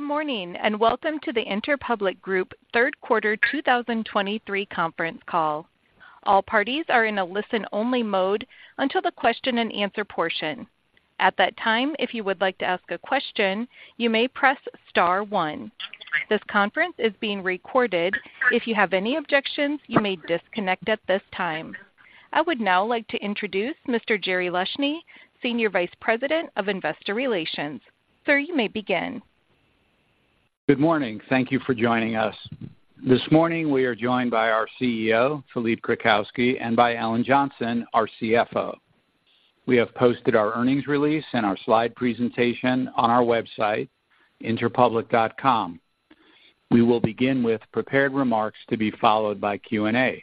Good morning, and welcome to the Interpublic Group third quarter 2023 conference call. All parties are in a listen-only mode until the question-and-answer portion. At that time, if you would like to ask a question, you may press star one. This conference is being recorded. If you have any objections, you may disconnect at this time. I would now like to introduce Mr. Jerry Leshne, Senior Vice President of Investor Relations. Sir, you may begin. Good morning. Thank you for joining us. This morning, we are joined by our CEO, Philippe Krakowsky, and by Ellen Johnson, our CFO. We have posted our earnings release and our slide presentation on our website, interpublic.com. We will begin with prepared remarks to be followed by Q&A.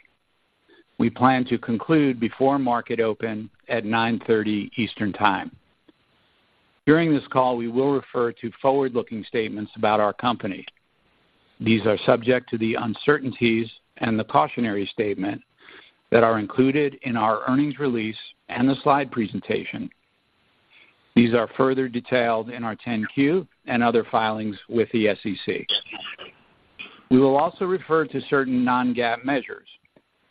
We plan to conclude before market open at 9:30 A.M. Eastern Time. During this call, we will refer to forward-looking statements about our company. These are subject to the uncertainties and the cautionary statement that are included in our earnings release and the slide presentation. These are further detailed in our 10-Q and other filings with the SEC. We will also refer to certain non-GAAP measures.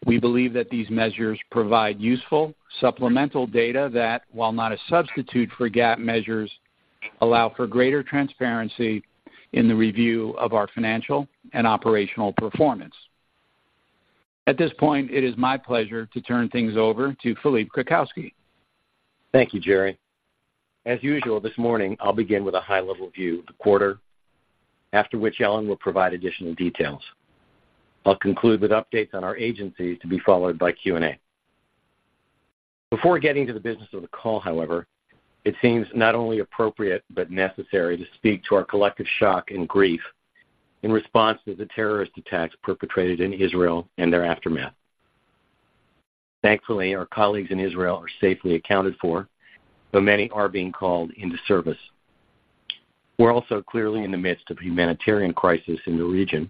We believe that these measures provide useful supplemental data that, while not a substitute for GAAP measures, allow for greater transparency in the review of our financial and operational performance. At this point, it is my pleasure to turn things over to Philippe Krakowsky. Thank you, Jerry. As usual, this morning, I'll begin with a high-level view of the quarter, after which Ellen will provide additional details. I'll conclude with updates on our agencies, to be followed by Q&A. Before getting to the business of the call, however, it seems not only appropriate but necessary to speak to our collective shock and grief in response to the terrorist attacks perpetrated in Israel and their aftermath. Thankfully, our colleagues in Israel are safely accounted for, but many are being called into service. We're also clearly in the midst of a humanitarian crisis in the region,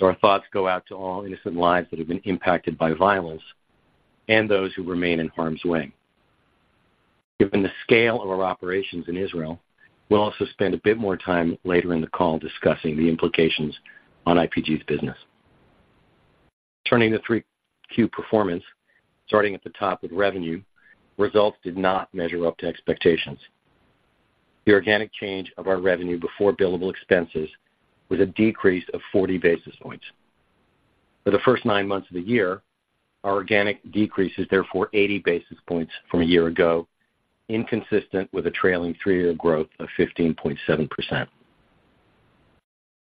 so our thoughts go out to all innocent lives that have been impacted by violence and those who remain in harm's way. Given the scale of our operations in Israel, we'll also spend a bit more time later in the call discussing the implications on IPG's business. Turning to 3Q performance, starting at the top with revenue, results did not measure up to expectations. The organic change of our revenue before billable expenses was a decrease of 40 basis points. For the first nine months of the year, our organic decrease is therefore 80 basis points from a year ago, inconsistent with a trailing three-year growth of 15.7%.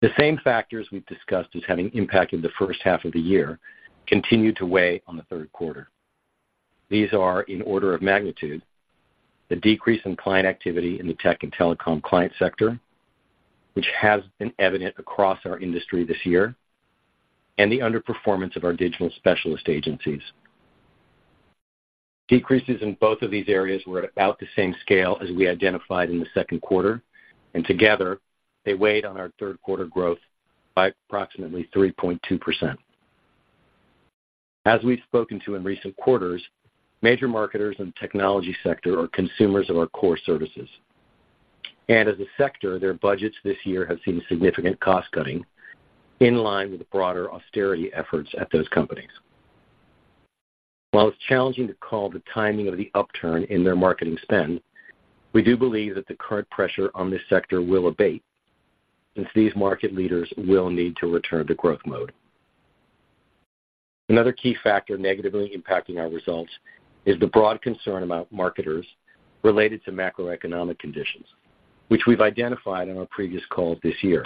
The same factors we've discussed as having impacted the first half of the year continued to weigh on the third quarter. These are, in order of magnitude, the decrease in client activity in the tech and telecom client sector, which has been evident across our industry this year, and the underperformance of our digital specialist agencies. Decreases in both of these areas were at about the same scale as we identified in the second quarter, and together, they weighed on our third quarter growth by approximately 3.2%. As we've spoken to in recent quarters, major marketers in the technology sector are consumers of our core services. As a sector, their budgets this year have seen significant cost cutting in line with the broader austerity efforts at those companies. While it's challenging to call the timing of the upturn in their marketing spend, we do believe that the current pressure on this sector will abate, since these market leaders will need to return to growth mode. Another key factor negatively impacting our results is the broad concern about marketers related to macroeconomic conditions, which we've identified on our previous calls this year.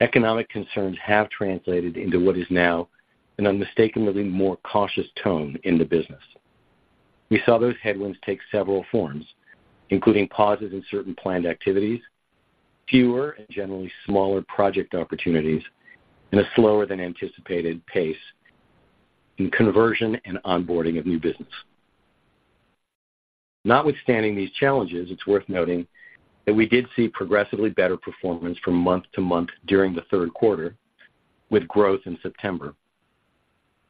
Economic concerns have translated into what is now an unmistakably more cautious tone in the business. We saw those headwinds take several forms, including pauses in certain planned activities, fewer and generally smaller project opportunities, and a slower than anticipated pace in conversion and onboarding of new business. Notwithstanding these challenges, it's worth noting that we did see progressively better performance from month-to-month during the third quarter, with growth in September.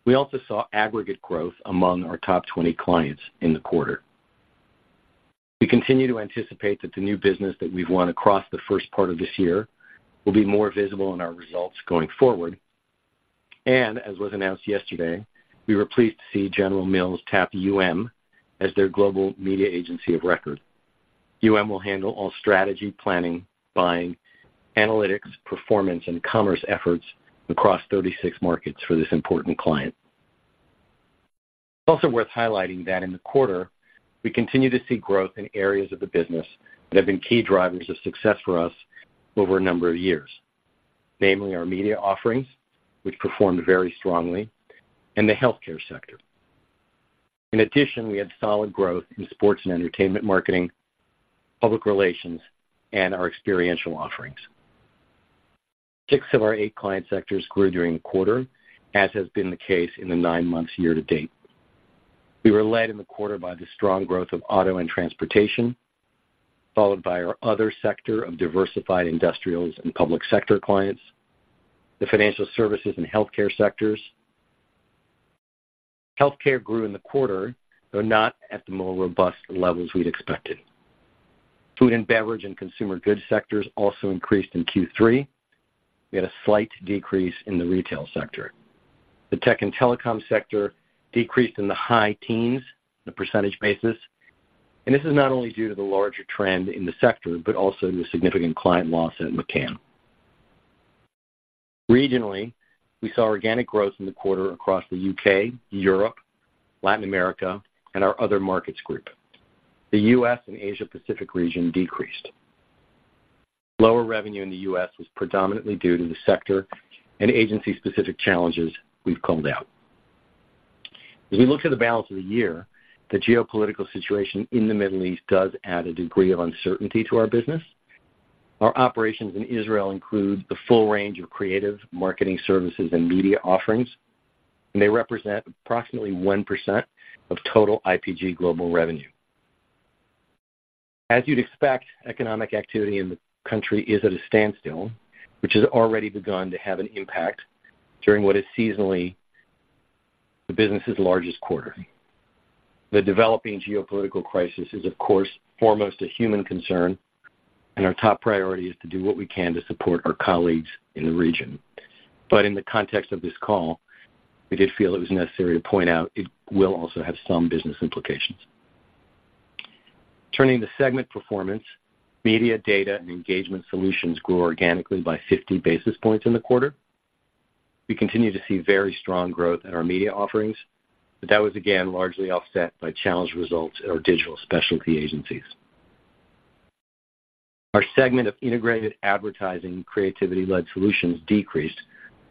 We also saw aggregate growth among our top 20 clients in the quarter. We continue to anticipate that the new business that we've won across the first part of this year will be more visible in our results going forward. As was announced yesterday, we were pleased to see General Mills tap UM as their global media agency of record. UM will handle all strategy, planning, buying, analytics, performance, and commerce efforts across 36 markets for this important client. It's also worth highlighting that in the quarter, we continue to see growth in areas of the business that have been key drivers of success for us over a number of years, namely our media offerings, which performed very strongly, and the healthcare sector. In addition, we had solid growth in sports and entertainment marketing, public relations, and our experiential offerings. Six of our eight client sectors grew during the quarter, as has been the case in the nine months year to date. We were led in the quarter by the strong growth of auto and transportation, followed by our other sector of diversified industrials and public sector clients, the financial services and healthcare sectors. Healthcare grew in the quarter, though not at the more robust levels we'd expected. Food and beverage and consumer goods sectors also increased in Q3. We had a slight decrease in the retail sector. The tech and telecom sector decreased in the high teens on a percentage basis, and this is not only due to the larger trend in the sector, but also the significant client loss at McCann. Regionally, we saw organic growth in the quarter across the U.K., Europe, Latin America, and our other markets group. The U.S. and Asia-Pacific region decreased. Lower revenue in the U.S. was predominantly due to the sector and agency-specific challenges we've called out. As we look to the balance of the year, the geopolitical situation in the Middle East does add a degree of uncertainty to our business. Our operations in Israel include the full range of creative, marketing services, and media offerings, and they represent approximately 1% of total IPG global revenue. As you'd expect, economic activity in the country is at a standstill, which has already begun to have an impact during what is seasonally the business's largest quarter. The developing geopolitical crisis is, of course, foremost a human concern, and our top priority is to do what we can to support our colleagues in the region. In the context of this call, we did feel it was necessary to point out it will also have some business implications. Turning to segment performance, Media, Data and Engagement Solutions grew organically by 50 basis points in the quarter. We continue to see very strong growth in our media offerings, but that was again largely offset by challenged results at our digital specialty agencies. Our segment of Integrated Advertising, Creativity-Led Solutions decreased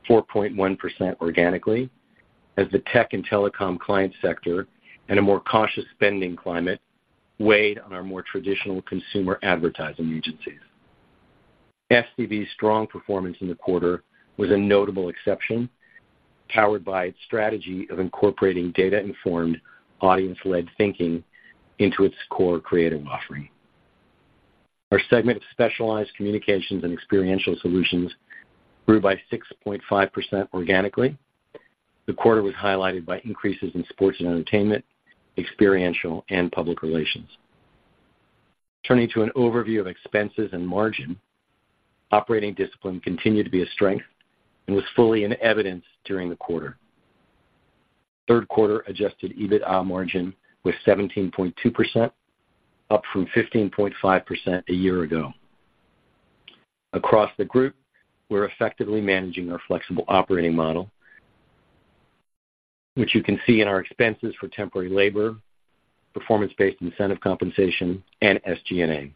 4.1% organically, as the tech and telecom client sector and a more cautious spending climate weighed on our more traditional consumer advertising agencies. FCB's strong performance in the quarter was a notable exception, powered by its strategy of incorporating data-informed, audience-led thinking into its core creative offering. Our segment of Specialized Communications and Experiential Solutions grew by 6.5% organically. The quarter was highlighted by increases in sports and entertainment, experiential, and public relations. Turning to an overview of expenses and margin, operating discipline continued to be a strength and was fully in evidence during the quarter. Third quarter Adjusted EBITA margin was 17.2%, up from 15.5% a year ago. Across the group, we're effectively managing our flexible operating model, which you can see in our expenses for temporary labor, performance-based incentive compensation, and SG&A.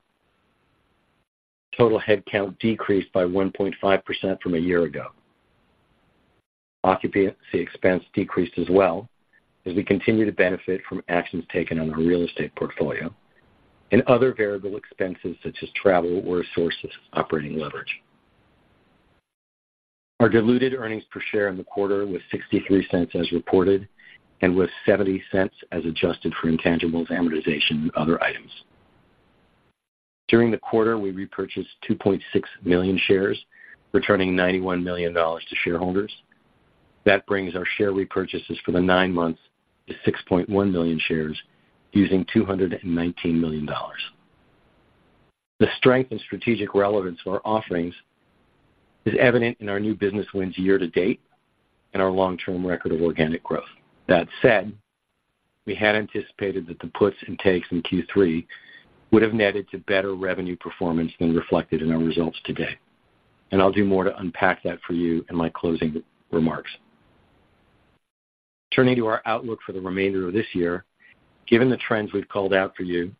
Total headcount decreased by 1.5% from a year ago. Occupancy expense decreased as well, as we continue to benefit from actions taken on our real estate portfolio and other variable expenses, such as travel or sources of operating leverage. Our diluted earnings per share in the quarter was $0.63 as reported, and was $0.70 as adjusted for intangibles, amortization, and other items. During the quarter, we repurchased 2.6 million shares, returning $91 million to shareholders. That brings our share repurchases for the nine months to 6.1 million shares, using $219 million. The strength and strategic relevance of our offerings is evident in our new business wins year-to-date and our long-term record of organic growth. That said, we had anticipated that the puts and takes in Q3 would have netted to better revenue performance than reflected in our results today, and I'll do more to unpack that for you in my closing remarks. Turning to our outlook for the remainder of this year. Given the trends we've called out for you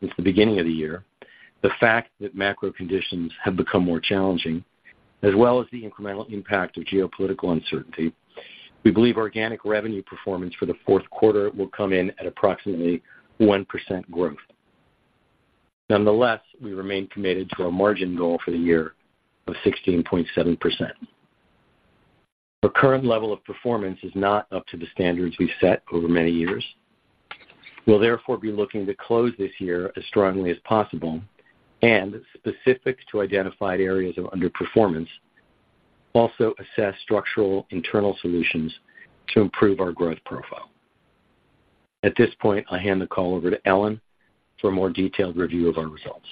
since the beginning of the year, the fact that macro conditions have become more challenging, as well as the incremental impact of geopolitical uncertainty, we believe organic revenue performance for the fourth quarter will come in at approximately 1% growth. Nonetheless, we remain committed to our margin goal for the year of 16.7%. Our current level of performance is not up to the standards we've set over many years. We'll therefore be looking to close this year as strongly as possible and specific to identified areas of underperformance, also assess structural internal solutions to improve our growth profile. At this point, I'll hand the call over to Ellen for a more detailed review of our results.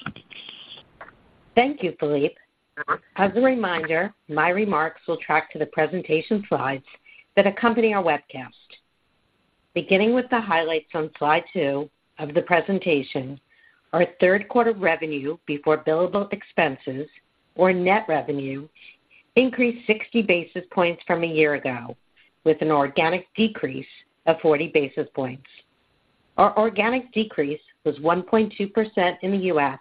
Thank you, Philippe. As a reminder, my remarks will track to the presentation slides that accompany our webcast. Beginning with the highlights on slide two of the presentation, our third quarter revenue before billable expenses or net revenue increased 60 basis points from a year ago, with an organic decrease of 40 basis points. Our organic decrease was 1.2% in the U.S.,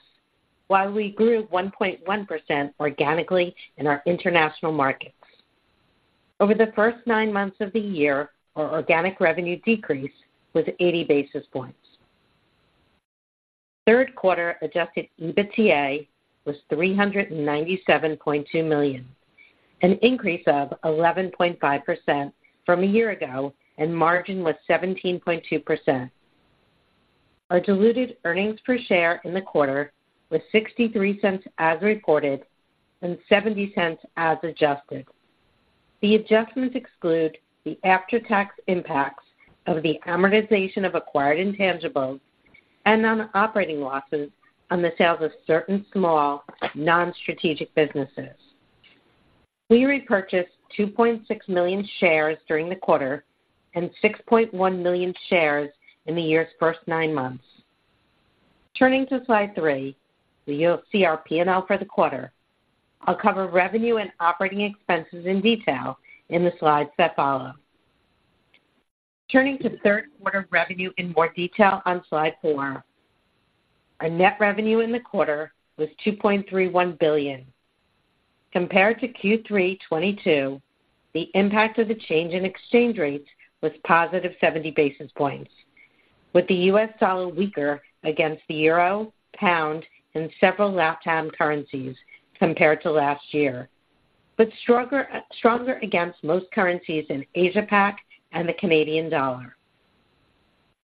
while we grew 1.1% organically in our international markets. Over the first nine months of the year, our organic revenue decrease was 80 basis points. Third quarter adjusted EBITA was $397.2 million, an increase of 11.5% from a year ago, and margin was 17.2%. Our diluted earnings per share in the quarter was $0.63 as reported, and $0.70 as adjusted. The adjustments exclude the after-tax impacts of the amortization of acquired intangibles and non-operating losses on the sales of certain small non-strategic businesses. We repurchased 2.6 million shares during the quarter, and 6.1 million shares in the year's first nine months. Turning to Slide three, you'll see our P&L for the quarter. I'll cover revenue and operating expenses in detail in the slides that follow. Turning to third quarter revenue in more detail on Slide four. Our net revenue in the quarter was $2.31 billion. Compared to Q3 2022, the impact of the change in exchange rates was +70 basis points, with the U.S. dollar weaker against the euro, pound, and several LATAM currencies compared to last year, but stronger against most currencies in Asia-Pac and the Canadian dollar.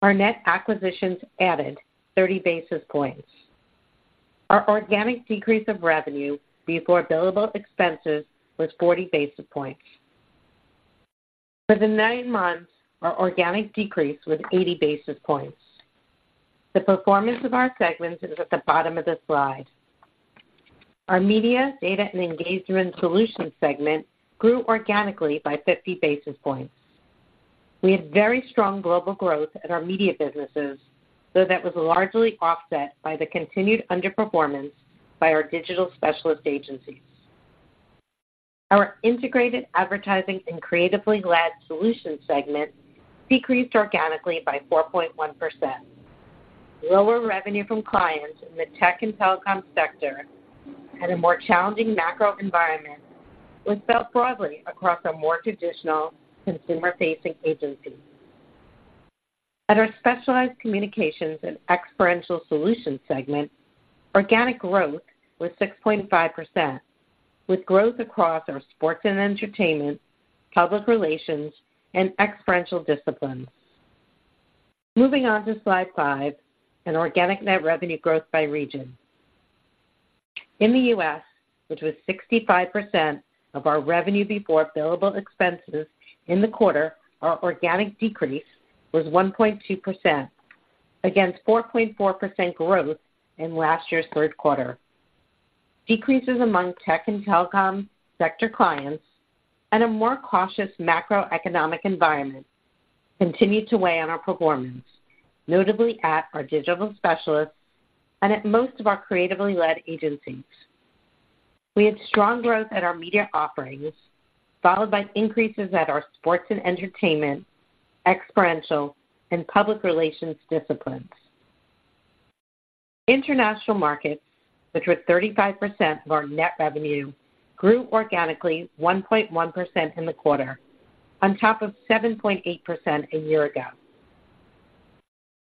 Our net acquisitions added 30 basis points. Our organic decrease of revenue before billable expenses was 40 basis points. For the nine months, our organic decrease was 80 basis points. The performance of our segments is at the bottom of the slide. Our Media, Data and Engagement Solutions segment grew organically by 50 basis points. We had very strong global growth at our media businesses, though that was largely offset by the continued underperformance by our digital specialist agencies. Our Integrated Advertising and Creatively Led Solutions segment decreased organically by 4.1%. Lower revenue from clients in the tech and telecom sector had a more challenging macro environment, was felt broadly across our more traditional consumer-facing agencies. At our Specialized Communications and Experiential Solutions segment, organic growth was 6.5%, with growth across our sports and entertainment, public relations, and experiential disciplines. Moving on to Slide 5, and organic net revenue growth by region. In the U.S., which was 65% of our revenue before billable expenses in the quarter, our organic decrease was 1.2%, against 4.4% growth in last year's third quarter. Decreases among tech and telecom sector clients and a more cautious macroeconomic environment continued to weigh on our performance, notably at our digital specialists and at most of our creatively led agencies. We had strong growth at our media offerings, followed by increases at our sports and entertainment, experiential, and public relations disciplines. International markets, which were 35% of our net revenue, grew organically 1.1% in the quarter, on top of 7.8% a year ago.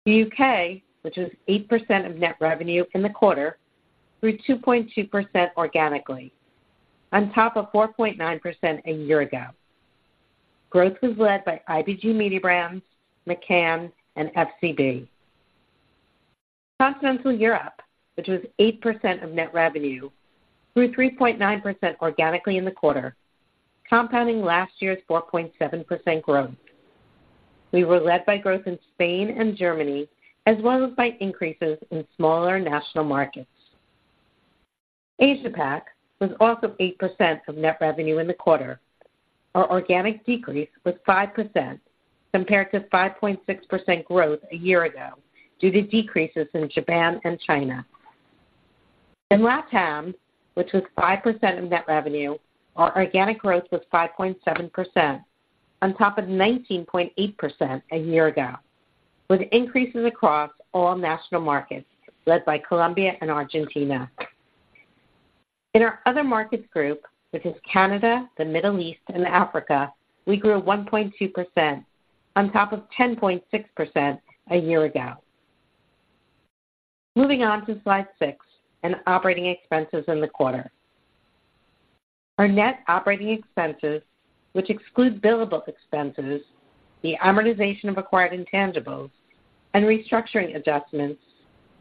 The U.K., which was 8% of net revenue in the quarter, grew 2.2% organically, on top of 4.9% a year ago. Growth was led by IPG Mediabrands, McCann, and FCB. Continental Europe, which was 8% of net revenue, grew 3.9% organically in the quarter, compounding last year's 4.7% growth. We were led by growth in Spain and Germany, as well as by increases in smaller national markets. Asia-Pac was also 8% of net revenue in the quarter. Our organic decrease was 5%, compared to 5.6% growth a year ago, due to decreases in Japan and China. In LATAM, which was 5% of net revenue, our organic growth was 5.7%, on top of 19.8% a year ago, with increases across all national markets, led by Colombia and Argentina. In our other markets group, which is Canada, the Middle East, and Africa, we grew 1.2% on top of 10.6% a year ago. Moving on to Slide 6 and operating expenses in the quarter. Our net operating expenses, which exclude billable expenses, the amortization of acquired intangibles, and restructuring adjustments,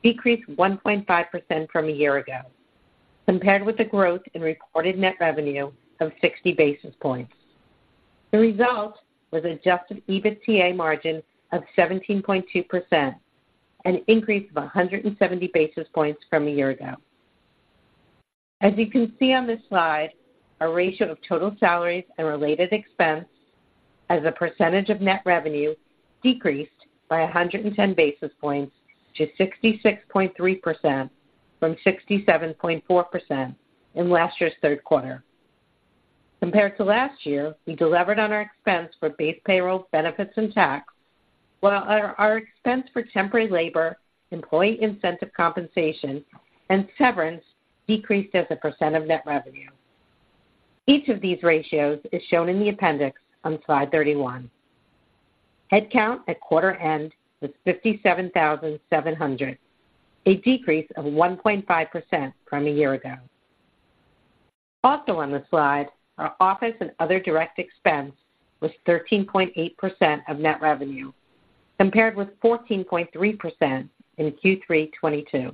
decreased 1.5% from a year ago, compared with the growth in reported net revenue of 60 basis points. The result was adjusted EBITA margin of 17.2%, an increase of 170 basis points from a year ago. As you can see on this slide, our ratio of total salaries and related expense as a % of net revenue decreased by 110 basis points to 66.3% from 67.4% in last year's third quarter. Compared to last year, we delivered on our expense for base payroll, benefits, and tax, while our expense for temporary labor, employee incentive compensation, and severance decreased as a % of net revenue. Each of these ratios is shown in the appendix on Slide 31. Headcount at quarter end was 57,700, a decrease of 1.5% from a year ago. Also on the slide, our office and other direct expense was 13.8% of net revenue, compared with 14.3% in Q3 2022.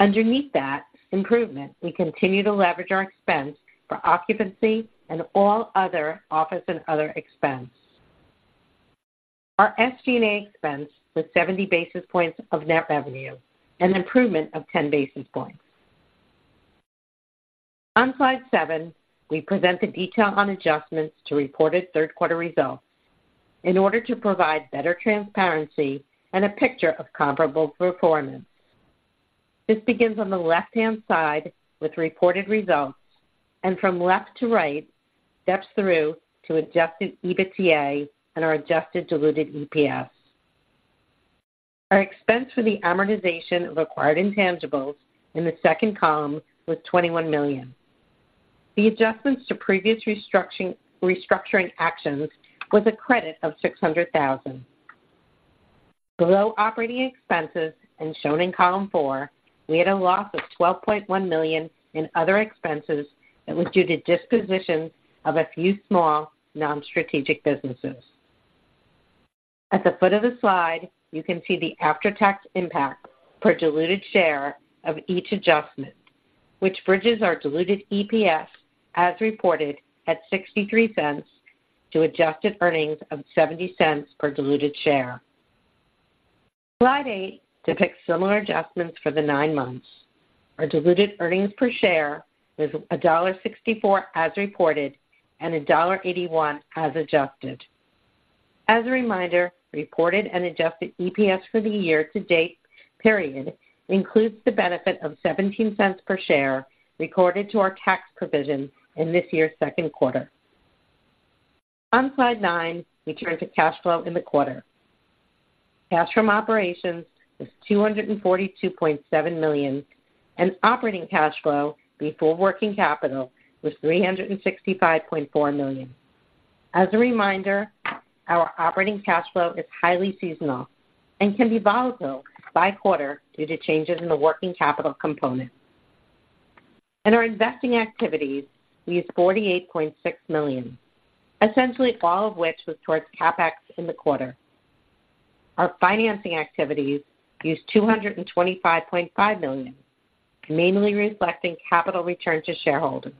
Underneath that improvement, we continue to leverage our expense for occupancy and all other office and other expense. Our SG&A expense was 70 basis points of net revenue, an improvement of 10 basis points. On slide seven, we present the detail on adjustments to reported third quarter results in order to provide better transparency and a picture of comparable performance. This begins on the left-hand side with reported results, and from left to right, steps through to adjusted EBITA and our adjusted diluted EPS. Our expense for the amortization of acquired intangibles in the second column was $21 million. The adjustments to previous restructuring actions was a credit of $600,000. Below operating expenses and shown in column four, we had a loss of $12.1 million in other expenses that was due to dispositions of a few small, non-strategic businesses. At the foot of the slide, you can see the after-tax impact per diluted share of each adjustment, which bridges our diluted EPS as reported at $0.63 to adjusted earnings of $0.70 per diluted share. Slide 8 depicts similar adjustments for the nine months. Our diluted earnings per share was $1.64 as reported and $1.81 as adjusted. As a reminder, reported and adjusted EPS for the year-to-date period includes the benefit of $0.17 per share recorded to our tax provision in this year's second quarter. On Slide 9, we turn to cash flow in the quarter. Cash from operations was $242.7 million, and operating cash flow before working capital was $365.4 million. As a reminder, our operating cash flow is highly seasonal and can be volatile by quarter due to changes in the working capital component. In our investing activities, we used $48.6 million, essentially all of which was towards CapEx in the quarter. Our financing activities used $225.5 million, mainly reflecting capital return to shareholders.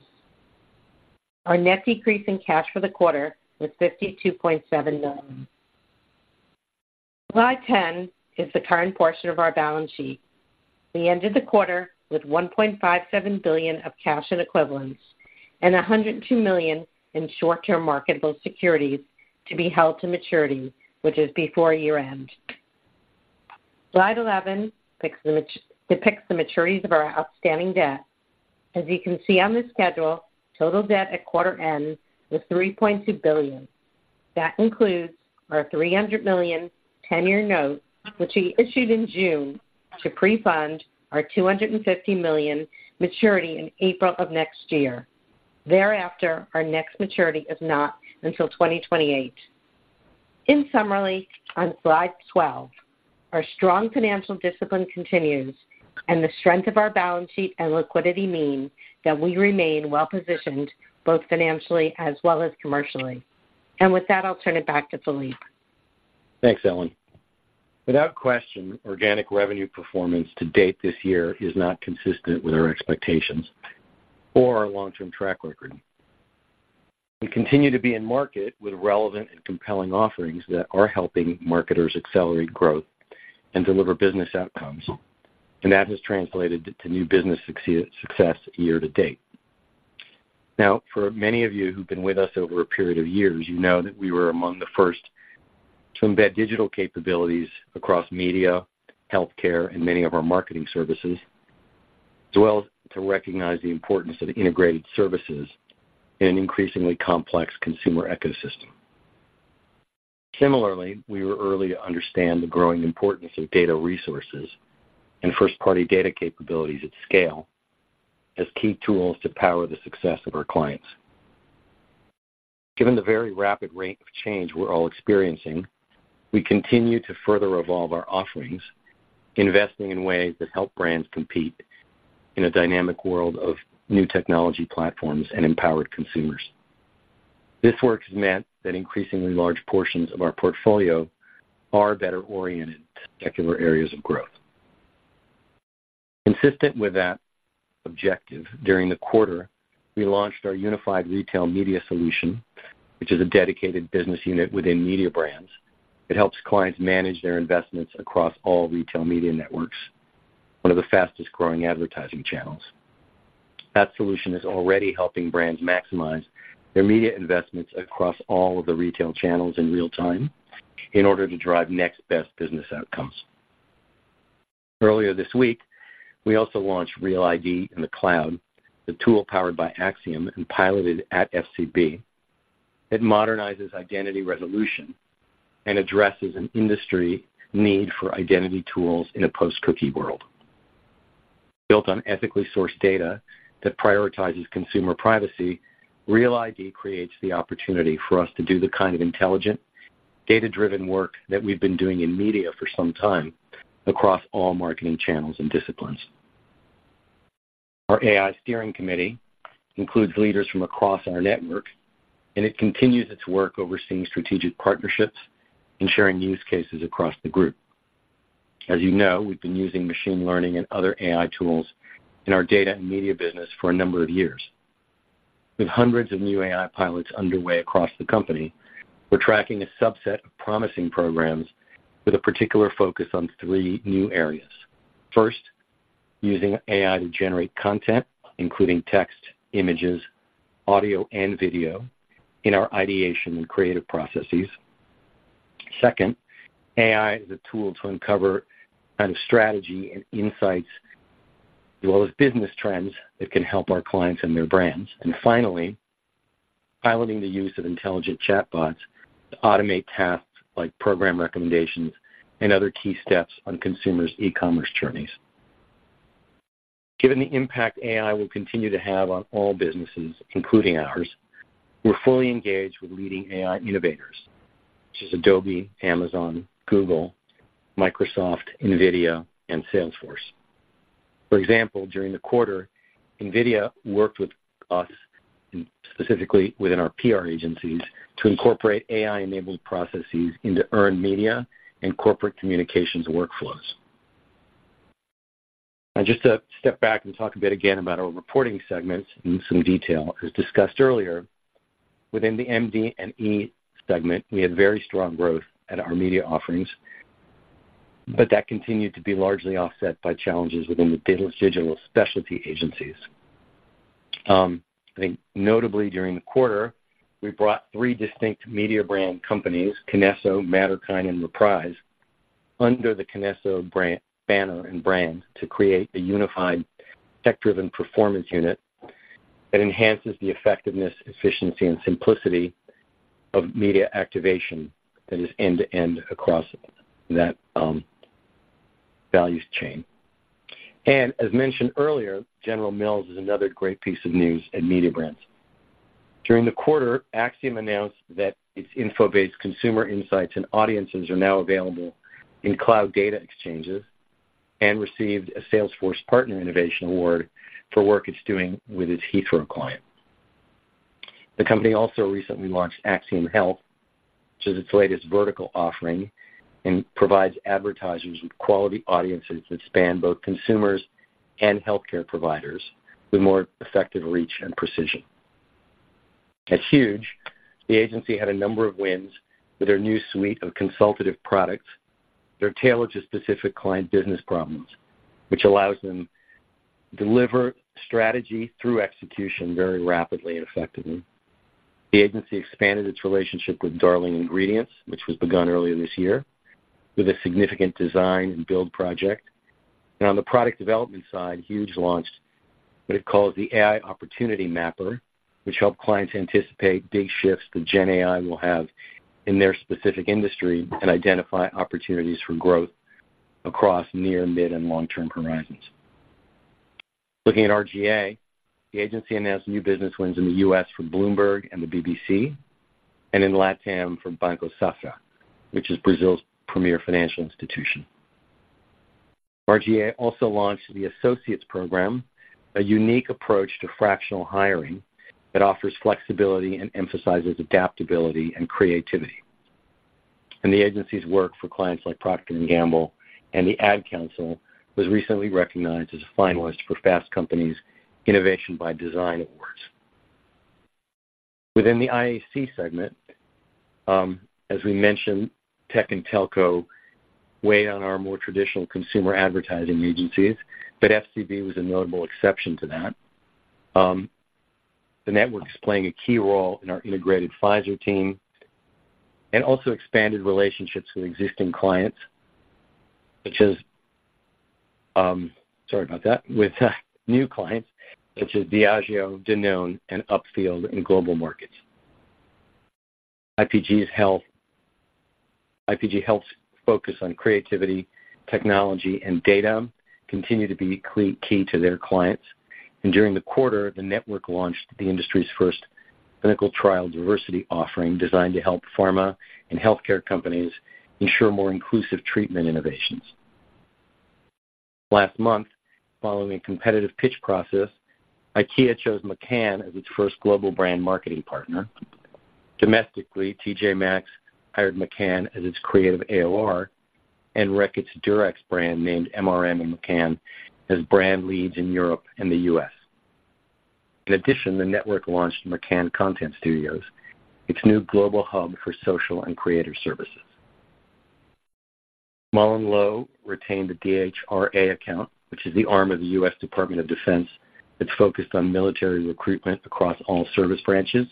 Our net decrease in cash for the quarter was $52.7 million. Slide 10 is the current portion of our balance sheet. We ended the quarter with $1.57 billion of cash and equivalents, and $102 million in short-term marketable securities to be held to maturity, which is before year-end. Slide 11 depicts the maturities of our outstanding debt. As you can see on this schedule, total debt at quarter end was $3.2 billion. That includes our $300 million 10-year note, which we issued in June to pre-fund our $250 million maturity in April of next year. Thereafter, our next maturity is not until 2028. In summary, on slide 12, our strong financial discipline continues, and the strength of our balance sheet and liquidity mean that we remain well positioned, both financially as well as commercially. With that, I'll turn it back to Philippe. Thanks, Ellen. Without question, organic revenue performance to date this year is not consistent with our expectations or our long-term track record. We continue to be in market with relevant and compelling offerings that are helping marketers accelerate growth and deliver business outcomes, and that has translated to new business success, year-to-date. Now, for many of you who've been with us over a period of years, you know that we were among the first to embed digital capabilities across media, healthcare, and many of our marketing services, as well as to recognize the importance of integrated services in an increasingly complex consumer ecosystem. Similarly, we were early to understand the growing importance of data resources and first-party data capabilities at scale as key tools to power the success of our clients. Given the very rapid rate of change we're all experiencing, we continue to further evolve our offerings, investing in ways that help brands compete in a dynamic world of new technology platforms and empowered consumers. This work has meant that increasingly large portions of our portfolio are better oriented to particular areas of growth. Consistent with that objective, during the quarter, we launched our unified retail media solution, which is a dedicated business unit within Mediabrands. It helps clients manage their investments across all retail media networks, one of the fastest-growing advertising channels. That solution is already helping brands maximize their media investments across all of the retail channels in real time in order to drive next best business outcomes. Earlier this week, we also launched Real ID in the cloud, the tool powered by Acxiom and piloted at FCB. It modernizes identity resolution and addresses an industry need for identity tools in a post-cookie world. Built on ethically sourced data that prioritizes consumer privacy, Real ID creates the opportunity for us to do the kind of intelligent, data-driven work that we've been doing in media for some time across all marketing channels and disciplines. Our AI steering committee includes leaders from across our network, and it continues its work overseeing strategic partnerships and sharing use cases across the group. As you know, we've been using machine learning and other AI tools in our data and media business for a number of years. With hundreds of new AI pilots underway across the company, we're tracking a subset of promising programs with a particular focus on three new areas. First, using AI to generate content, including text, images, audio, and video, in our ideation and creative processes. Second, AI is a tool to uncover kind of strategy and insights as well as business trends that can help our clients and their brands. Finally, piloting the use of intelligent chatbots to automate tasks like program recommendations and other key steps on consumers' e-commerce journeys. Given the impact AI will continue to have on all businesses, including ours, we're fully engaged with leading AI innovators such as Adobe, Amazon, Google, Microsoft, NVIDIA, and Salesforce. For example, during the quarter, NVIDIA worked with us, specifically within our P.R. agencies, to incorporate AI-enabled processes into earned media and corporate communications workflows. Now, just to step back and talk a bit again about our reporting segments in some detail. As discussed earlier, within the MD&E segment, we had very strong growth at our media offerings, but that continued to be largely offset by challenges within the digital specialty agencies. I think notably during the quarter, we brought 3 distinct media brand companies, KINESSO, Matterkind, and Reprise, under the KINESSO banner and brand, to create a unified, tech-driven performance unit that enhances the effectiveness, efficiency, and simplicity of media activation that is end-to-end across that values chain. As mentioned earlier, General Mills is another great piece of news at Mediabrands. During the quarter, Acxiom announced that its Infobase consumer insights and audiences are now available in cloud data exchanges and received a Salesforce Partner Innovation Award for work it's doing with its Heathrow client. The company also recently launched Acxiom Health, which is its latest vertical offering, and provides advertisers with quality audiences that span both consumers and healthcare providers with more effective reach and precision. At Huge, the agency had a number of wins with their new suite of consultative products that are tailored to specific client business problems, which allows them to deliver strategy through execution very rapidly and effectively. The agency expanded its relationship with Darling Ingredients, which was begun earlier this year, with a significant design and build project. On the product development side, Huge launched what it calls the AI Opportunity Mapper, which help clients anticipate big shifts that GenAI will have in their specific industry and identify opportunities for growth across near, mid, and long-term horizons. Looking at R/GA, the agency announced new business wins in the U.S. for Bloomberg and the BBC, and in Latam for Banco Safra, which is Brazil's premier financial institution. R/GA also launched the Associates program, a unique approach to fractional hiring that offers flexibility and emphasizes adaptability and creativity. The agency's work for clients like Procter & Gamble and the Ad Council was recently recognized as a finalist for Fast Company's Innovation by Design Awards. Within the IAC segment, as we mentioned, tech and telco weigh on our more traditional consumer advertising agencies, but FCB was a notable exception to that. The network's playing a key role in our integrated Pfizer team and also expanded relationships with existing clients, such as. Sorry about that. With new clients such as Diageo, Danone, and Upfield in global markets. IPG Health's focus on creativity, technology, and data continue to be key to their clients, and during the quarter, the network launched the industry's first clinical trial diversity offering, designed to help pharma and healthcare companies ensure more inclusive treatment innovations. Last month, following a competitive pitch process, IKEA chose McCann as its first global brand marketing partner. Domestically, TJ Maxx hired McCann as its creative AOR, and Reckitt's Durex brand named MRM and McCann as brand leads in Europe and the U.S. In addition, the network launched McCann Content Studios, its new global hub for social and creative services. MullenLowe retained the DHRA account, which is the arm of the U.S. Department of Defense that's focused on military recruitment across all service branches.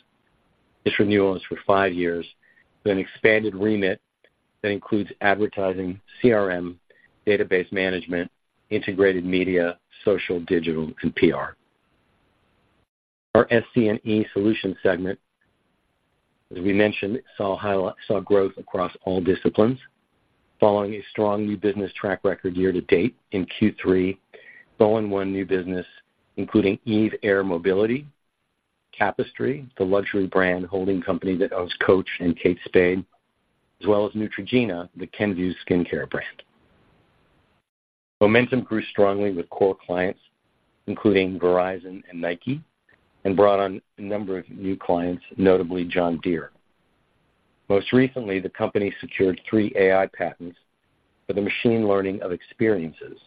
This renewal is for five years, with an expanded remit that includes advertising, CRM, database management, integrated media, social, digital, and PR. Our SC&E solutions segment, as we mentioned, saw growth across all disciplines, following a strong new business track record year-to-date. In Q3, Mullen won new business, including Eve Air Mobility. Tapestry, the luxury brand holding company that owns Coach and Kate Spade, as well as Neutrogena, the Kenvue skincare brand. Momentum grew strongly with core clients, including Verizon and Nike, and brought on a number of new clients, notably John Deere. Most recently, the company secured three AI patents for the machine learning of experiences,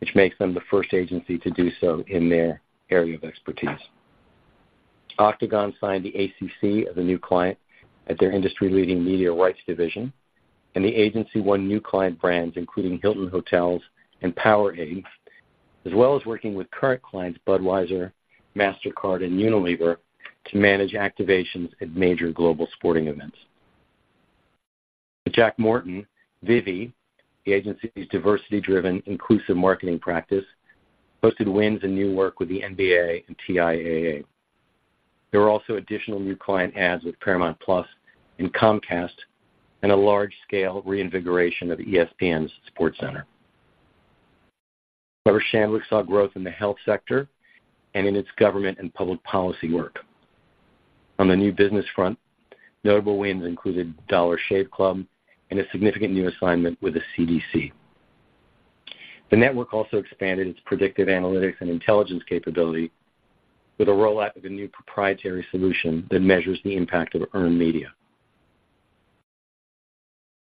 which makes them the first agency to do so in their area of expertise. Octagon signed the ACC as a new client at their industry-leading media rights division, and the agency won new client brands, including Hilton Hotels and Powerade, as well as working with current clients Budweiser, Mastercard, and Unilever to manage activations at major global sporting events. Jack Morton Vivi, the agency's diversity-driven, inclusive marketing practice, posted wins and new work with the NBA and TIAA. There were also additional new client adds with Paramount+ and Comcast and a large-scale reinvigoration of ESPN's SportsCenter. Weber Shandwick saw growth in the health sector and in its government and public policy work. On the new business front, notable wins included Dollar Shave Club and a significant new assignment with the CDC. The network also expanded its predictive analytics and intelligence capability with a rollout of a new proprietary solution that measures the impact of earned media.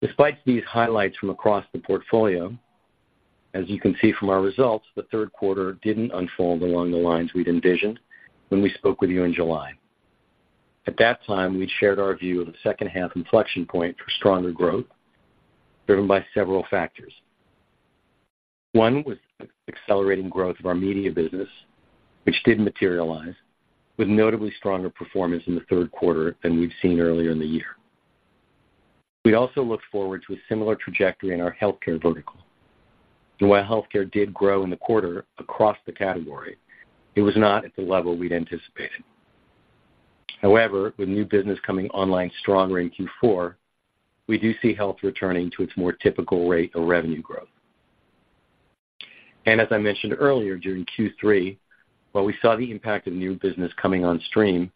Despite these highlights from across the portfolio, as you can see from our results, the third quarter didn't unfold along the lines we'd envisioned when we spoke with you in July. At that time, we'd shared our view of a second half inflection point for stronger growth, driven by several factors. One was the accelerating growth of our media business, which did materialize, with notably stronger performance in the third quarter than we've seen earlier in the year. We also looked forward to a similar trajectory in our healthcare vertical. While healthcare did grow in the quarter across the category, it was not at the level we'd anticipated. However, with new business coming online strong in Q4, we do see health returning to its more typical rate of revenue growth. As I mentioned earlier, during Q3, while we saw the impact of new business coming on stream,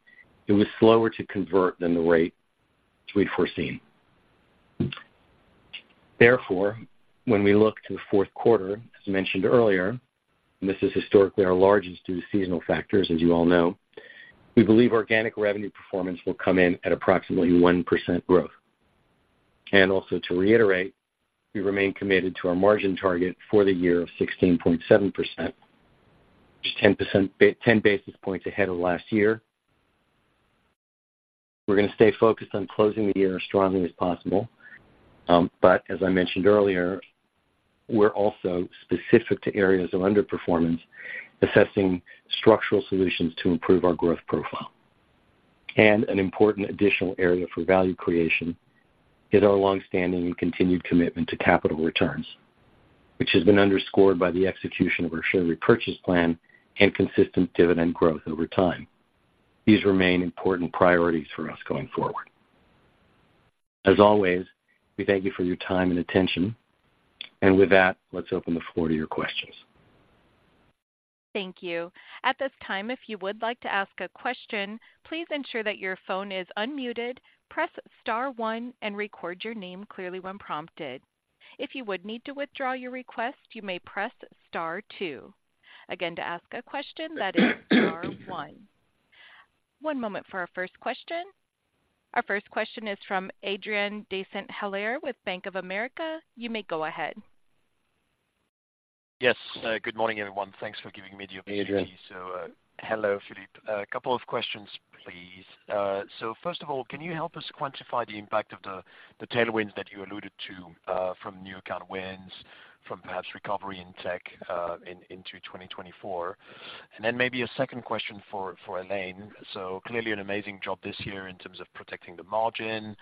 it was slower to convert than the rate we'd foreseen. Therefore, when we look to the fourth quarter, as mentioned earlier, and this is historically our largest due to seasonal factors, as you all know, we believe organic revenue performance will come in at approximately 1% growth. Also, to reiterate, we remain committed to our margin target for the year of 16.7%, which is 10 basis points ahead of last year. We're going to stay focused on closing the year as strongly as possible. But as I mentioned earlier, we're also specific to areas of underperformance, assessing structural solutions to improve our growth profile. An important additional area for value creation is our long-standing and continued commitment to capital returns, which has been underscored by the execution of our share repurchase plan and consistent dividend growth over time. These remain important priorities for us going forward. As always, we thank you for your time and attention. With that, let's open the floor to your questions. Thank you. At this time, if you would like to ask a question, please ensure that your phone is unmuted, press star one, and record your name clearly when prompted. If you would need to withdraw your request, you may press star two. Again, to ask a question, that is star one. One moment for our first question. Our first question is from Adrien de Saint-Hilaire with Bank of America. You may go ahead. Yes. Good morning, everyone. Thanks for giving me the opportunity. Hey, Adrien. Hello, Philippe. A couple of questions, please. First of all, can you help us quantify the impact of the tailwinds that you alluded to from new account wins, from perhaps recovery in tech into 2024? Maybe a second question for Ellen. Clearly an amazing job this year in terms of protecting the margin.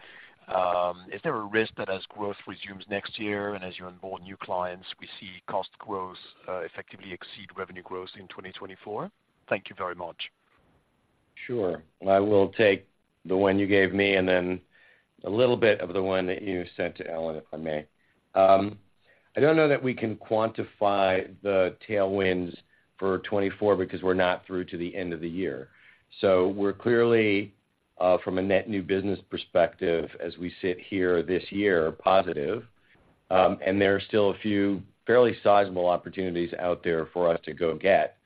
Is there a risk that as growth resumes next year and as you onboard new clients, we see cost growth effectively exceed revenue growth in 2024? Thank you very much. Sure. I will take the one you gave me and then a little bit of the one that you sent to Ellen, if I may. I don't know that we can quantify the tailwinds for 2024 because we're not through to the end of the year. We're clearly from a net new business perspective, as we sit here this year, positive, and there are still a few fairly sizable opportunities out there for us to go get.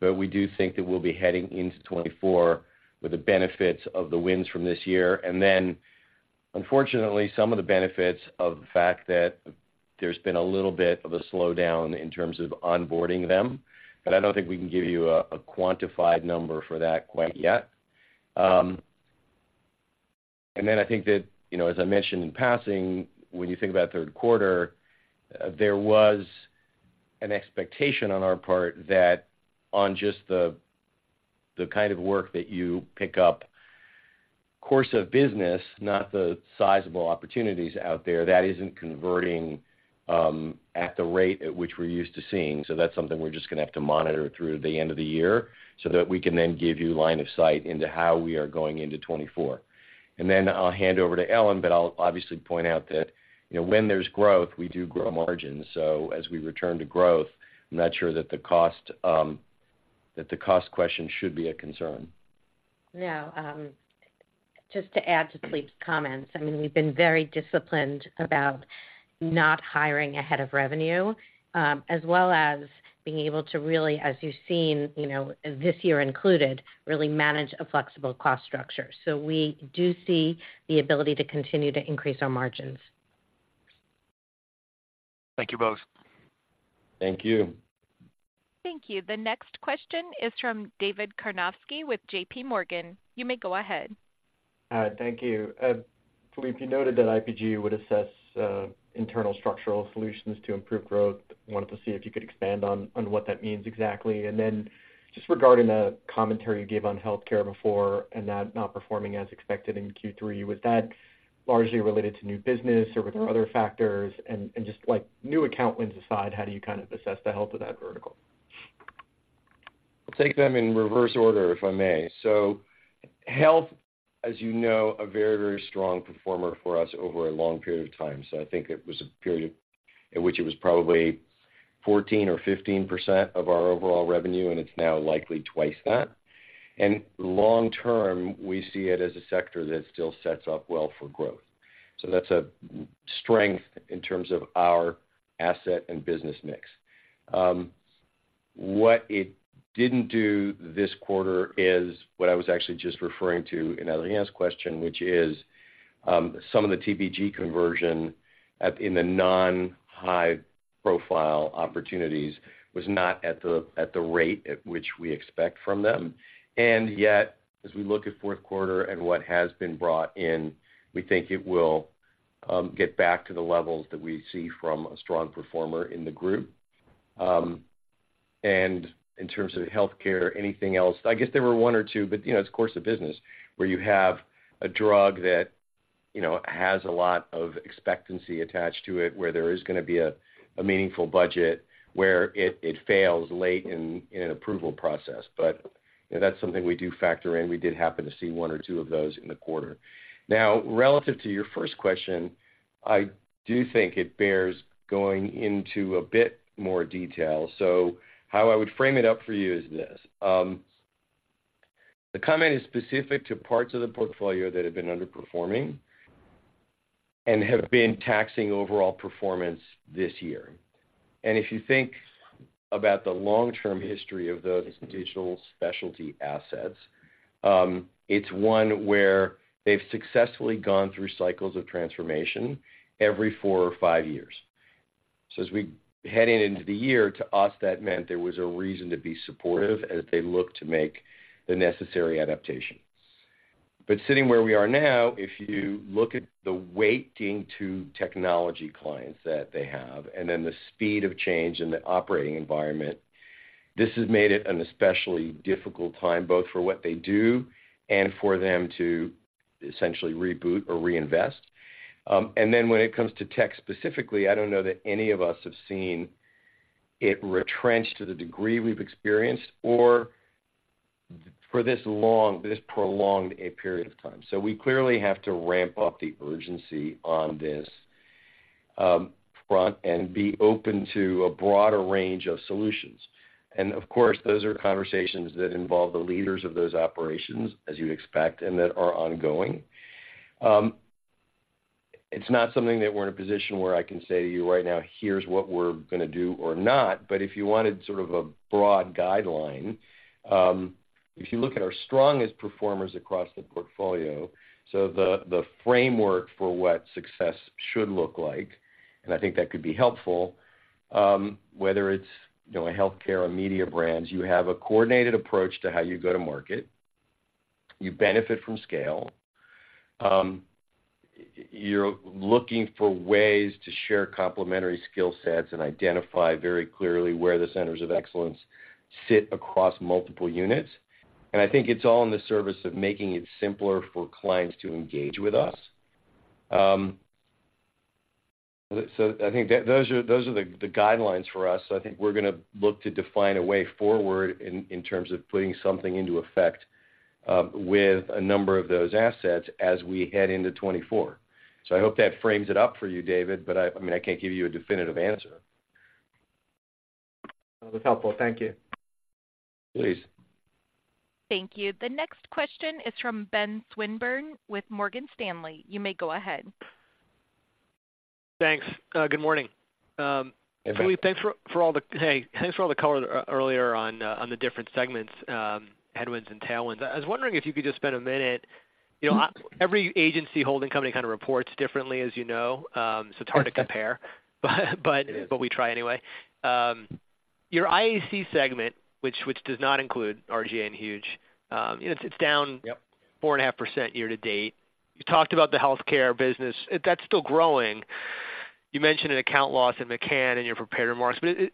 We do think that we'll be heading into 2024 with the benefits of the wins from this year. Unfortunately, some of the benefits of the fact that there's been a little bit of a slowdown in terms of onboarding them, but I don't think we can give you a quantified number for that quite yet. I think that, you know, as I mentioned in passing, when you think about third quarter, there was an expectation on our part that on just the kind of work that you pick up, course of business, not the sizable opportunities out there, that isn't converting at the rate at which we're used to seeing. That's something we're just going to have to monitor through the end of the year so that we can then give you line of sight into how we are going into 2024. I'll hand over to Ellen, but I'll obviously point out that, you know, when there's growth, we do grow margins. As we return to growth, I'm not sure that the cost question should be a concern. No, um- Just to add to Philippe's comments, I mean, we've been very disciplined about not hiring ahead of revenue as well as being able to really, as you've seen, you know, this year included, really manage a flexible cost structure. So we do see the ability to continue to increase our margins. Thank you, both. Thank you. Thank you. The next question is from David Karnovsky with J.P. Morgan. You may go ahead. Hi, thank you. Philippe, you noted that IPG would assess internal structural solutions to improve growth. Wanted to see if you could expand on what that means exactly. Just regarding the commentary you gave on healthcare before and that not performing as expected in Q3, was that largely related to new business, or were there other factors? Just like new account wins aside, how do you kind of assess the health of that vertical? I'll take them in reverse order, if I may. Health, as you know, a very, very strong performer for us over a long period of time. I think it was a period in which it was probably 14% or 15% of our overall revenue, and it's now likely twice that. Long term, we see it as a sector that still sets up well for growth. That's a strength in terms of our asset and business mix. What it didn't do this quarter is what I was actually just referring to in Adrien's question, which is some of the TBG conversion at, in the non-high profile opportunities was not at the rate at which we expect from them. Yet, as we look at fourth quarter and what has been brought in, we think it will get back to the levels that we see from a strong performer in the group. In terms of healthcare, anything else, I guess there were one or two, but, you know, it's course of business, where you have a drug that, you know, has a lot of expectancy attached to it, where there is gonna be a meaningful budget where it fails late in an approval process. You know, that's something we do factor in. We did happen to see one or two of those in the quarter. Now, relative to your first question, I do think it bears going into a bit more detail. How I would frame it up for you is this. The comment is specific to parts of the portfolio that have been underperforming and have been taxing overall performance this year. If you think about the long-term history of those digital specialty assets, it's one where they've successfully gone through cycles of transformation every four or five years. As we head into the year, to us, that meant there was a reason to be supportive as they look to make the necessary adaptations. Sitting where we are now, if you look at the weighting to technology clients that they have, and then the speed of change in the operating environment, this has made it an especially difficult time, both for what they do and for them to essentially reboot or reinvest. When it comes to tech, specifically, I don't know that any of us have seen it retrench to the degree we've experienced or for this long, this prolonged a period of time. We clearly have to ramp up the urgency on this front and be open to a broader range of solutions. Of course, those are conversations that involve the leaders of those operations, as you'd expect, and that are ongoing. It's not something that we're in a position where I can say to you right now, here's what we're gonna do or not, but if you wanted sort of a broad guideline, if you look at our strongest performers across the portfolio, the framework for what success should look like, and I think that could be helpful, whether it's, you know, Healthcare or Mediabrands, you have a coordinated approach to how you go to market. You benefit from scale. You're looking for ways to share complementary skill sets and identify very clearly where the centers of excellence sit across multiple units. I think it's all in the service of making it simpler for clients to engage with us. I think that those are, those are the guidelines for us. I think we're gonna look to define a way forward in terms of putting something into effect with a number of those assets as we head into 2024. I hope that frames it up for you, David, but I mean, I can't give you a definitive answer. That was helpful. Thank you. Please. Thank you. The next question is from Ben Swinburne with Morgan Stanley. You may go ahead. Thanks. Good morning. Hey, Ben. Philippe, thanks for all the color earlier on on the different segments, headwinds and tailwinds. I was wondering if you could just spend a minute, you know, every agency holding company kind of reports differently, as you know, so it's hard to compare, but. It is. We try anyway. Your IAC segment, which does not include R/GA and Huge, you know, it's down. Yep 4.5% year-to-date. You talked about the healthcare business. That's still growing. You mentioned an account loss in McCann in your prepared remarks. Do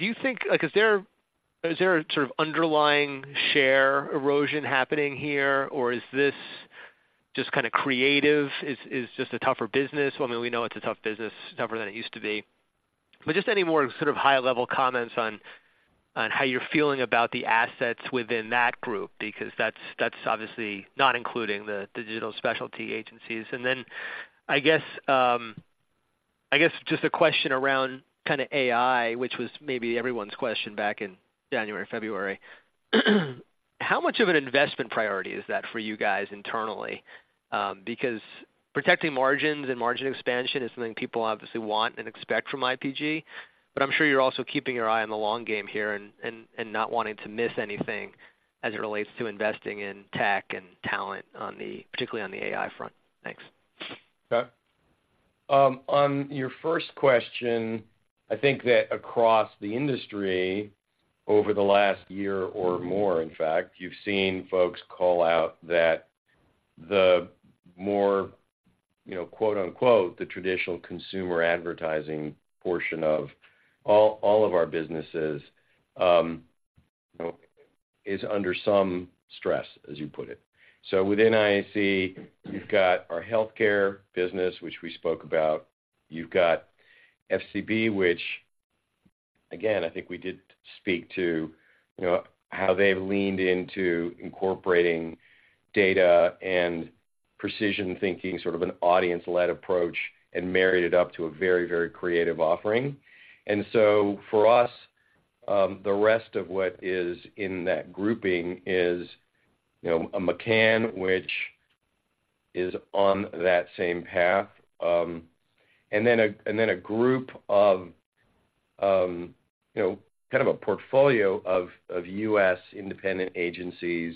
you think, like, is there a sort of underlying share erosion happening here, or is this just kind of creative? Is just a tougher business? I mean, we know it's a tough business, tougher than it used to be. Just any more sort of high-level comments on how you're feeling about the assets within that group, because that's obviously not including the digital specialty agencies. I guess just a question around kind of AI, which was maybe everyone's question back in January, February. How much of an investment priority is that for you guys internally? Because protecting margins and margin expansion is something people obviously want and expect from IPG, but I'm sure you're also keeping your eye on the long game here and not wanting to miss anything as it relates to investing in tech and talent, particularly on the AI front. Thanks. Okay. On your first question, I think that across the industry, over the last year or more, in fact, you've seen folks call out that the more, you know, quote-unquote, "the traditional consumer advertising" portion of all of our businesses, you know, is under some stress, as you put it. Within IAC, you've got our healthcare business, which we spoke about. You've got FCB, which, again, I think we did speak to, you know, how they've leaned into incorporating data and precision thinking, sort of an audience-led approach, and married it up to a very, very creative offering. For us, the rest of what is in that grouping is, you know, a McCann, which is on that same path, and then a group of, you know, kind of a portfolio of U.S. independent agencies,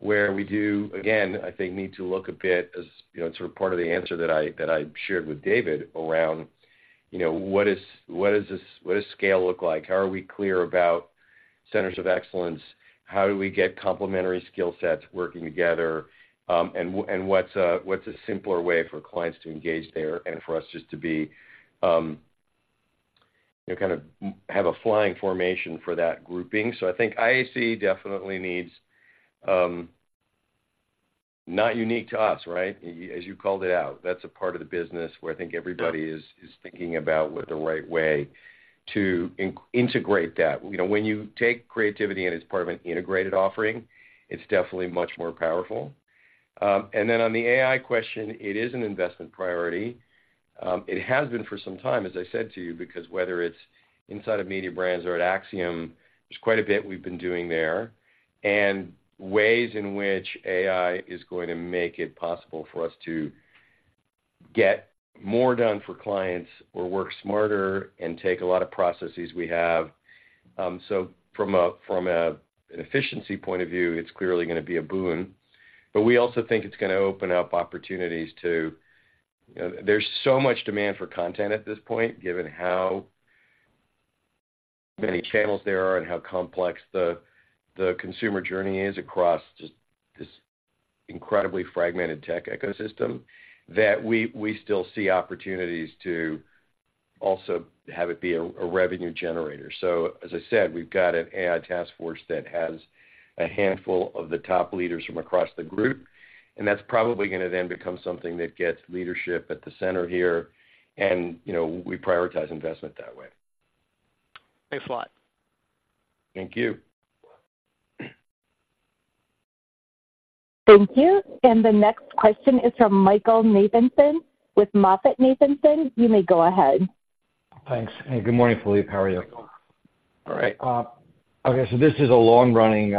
where we do, again, I think, need to look a bit as, you know, sort of part of the answer that I shared with David around, you know, what does scale look like? How are we clear about centers of excellence? How do we get complementary skill sets working together? What's a simpler way for clients to engage there and for us just to be, you know, kind of have a flying formation for that grouping? I think IAC definitely needs, not unique to us, right? As you called it out, that's a part of the business where I think everybody is thinking about what the right way to integrate that. You know, when you take creativity, and it's part of an integrated offering, it's definitely much more powerful. Then on the AI question, it is an investment priority. It has been for some time, as I said to you, because whether it's inside of Mediabrands or at Acxiom, there's quite a bit we've been doing there. Ways in which AI is going to make it possible for us to get more done for clients or work smarter and take a lot of processes we have. From an efficiency point of view, it's clearly gonna be a boon, but we also think it's gonna open up opportunities, too. You know, there's so much demand for content at this point, given how many channels there are and how complex the consumer journey is across just this incredibly fragmented tech ecosystem, that we still see opportunities to also have it be a revenue generator. As I said, we've got an AI task force that has a handful of the top leaders from across the group, and that's probably gonna then become something that gets leadership at the center here, and, you know, we prioritize investment that way. Thanks a lot. Thank you. Thank you. The next question is from Michael Nathanson with MoffettNathanson. You may go ahead. Thanks. Good morning, Philippe. How are you? All right. Okay, so this is a long-running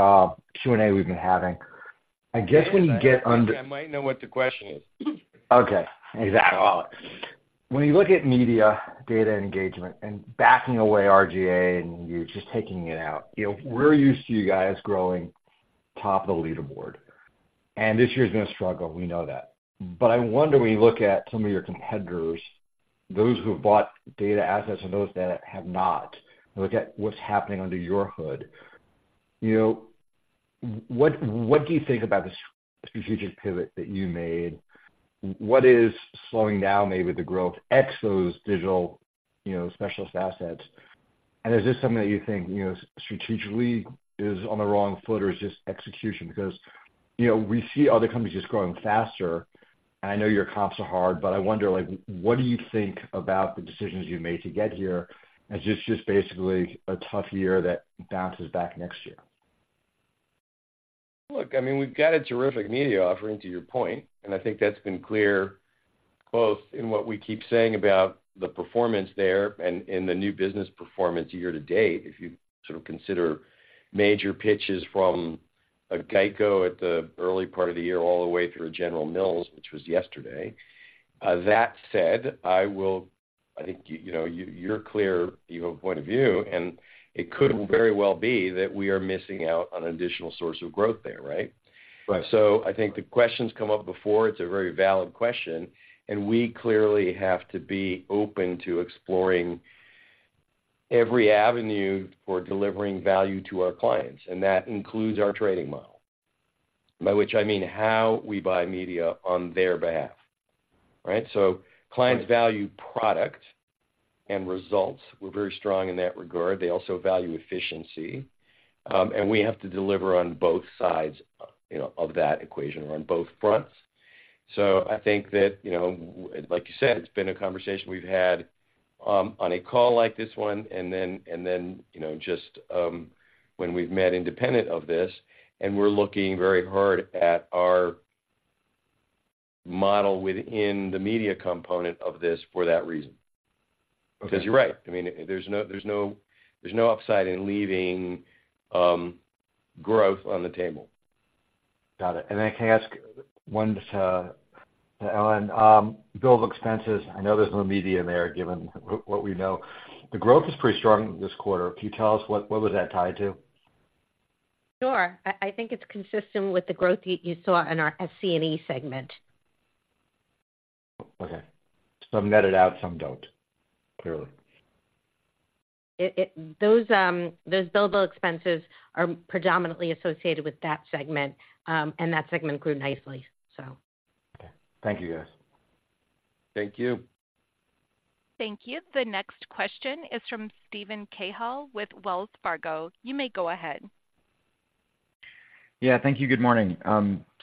Q&A we've been having. I guess when you get under- I might know what the question is. Okay, exactly. When you look at Media, Data Engagement, and backing away R/GA, and you're just taking it out, you know, we're used to you guys growing top of the leaderboard, and this year's gonna struggle, we know that. I wonder, when you look at some of your competitors, those who have bought data assets and those that have not, look at what's happening under your hood. You know, what do you think about the strategic pivot that you made? What is slowing down maybe the growth ex those digital, you know, specialist assets? Is this something that you think, you know, strategically is on the wrong foot, or is this execution? Because, you know, we see other companies just growing faster, and I know your comps are hard, but I wonder, like, what do you think about the decisions you've made to get here, and is this just basically a tough year that bounces back next year? Look, I mean, we've got a terrific media offering, to your point, and I think that's been clear both in what we keep saying about the performance there and in the new business performance year-to-date, if you sort of consider major pitches from a GEICO at the early part of the year, all the way through a General Mills, which was yesterday. That said, I think, you know, you're clear, you have a point of view, and it could very well be that we are missing out on additional source of growth there, right? Right. I think the question's come up before. It's a very valid question, and we clearly have to be open to exploring every avenue for delivering value to our clients, and that includes our trading model, by which I mean how we buy media on their behalf, right? Clients value product and results. We're very strong in that regard. They also value efficiency, and we have to deliver on both sides, you know, of that equation or on both fronts. I think that, you know, like you said, it's been a conversation we've had on a call like this one, and then, you know, just when we've met independent of this, and we're looking very hard at our model within the media component of this for that reason. Okay. Because you're right. I mean, there's no upside in leaving growth on the table. Got it. Can I ask one to Ellen, billable expenses? I know there is no media in there, given what we know. The growth is pretty strong this quarter. Can you tell us what was that tied to? Sure. I think it's consistent with the growth you saw in our SC&E segment. Okay. Some net it out, some don't, clearly. Those billable expenses are predominantly associated with that segment, and that segment grew nicely, so. Okay. Thank you, guys. Thank you. Thank you. The next question is from Steven Cahall with Wells Fargo. You may go ahead. Yeah, thank you. Good morning.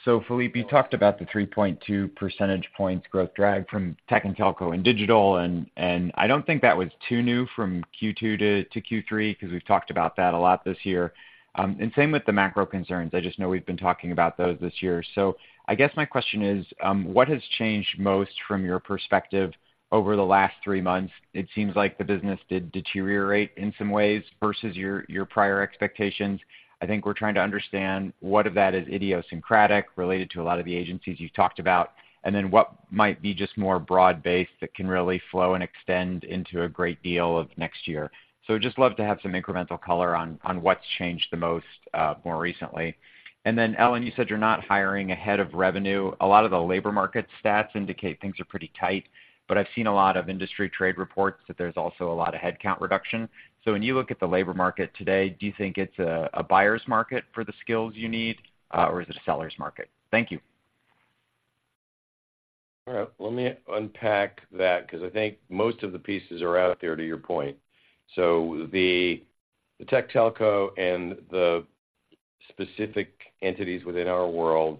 Philippe, you talked about the 3.2 percentage points growth drag from tech and telco and digital, and I don't think that was too new from Q2 to Q3, 'cause we've talked about that a lot this year. Same with the macro concerns. I just know we've been talking about those this year. I guess my question is, what has changed most from your perspective over the last three months? It seems like the business did deteriorate in some ways versus your prior expectations. I think we're trying to understand what of that is idiosyncratic, related to a lot of the agencies you've talked about, and then what might be just more broad-based that can really flow and extend into a great deal of next year. "And then, Ellen, you said you're not hiring ahead of revenue." "Ellen, you said you're not hiring ahead of revenue." And, then, Ellen, you, said, you're, not, hiring, ahead, of, revenue). "A lot of the labor market stats indicate things are pretty tight, but I've seen a lot of industry trade reports that there's also a lot of headcount reduction." (Words: A, lot, of, the, labor, market, stats, indicate, things, are, pretty, tight, but, I've, see All right. Let me unpack that, 'cause I think most of the pieces are out there to your point. The tech-telco and the specific entities within our world